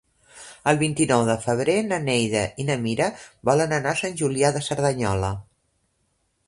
El vint-i-nou de febrer na Neida i na Mira volen anar a Sant Julià de Cerdanyola.